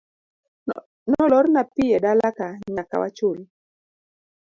Nolorna pi edalaka nyaka wachul.